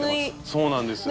そうなんです。